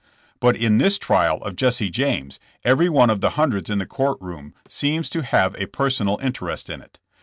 *^But in this trial of Jesse James every one of the hundreds in the court room seems to have a per sonal interest in it.